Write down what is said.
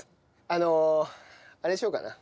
あのあれにしようかな。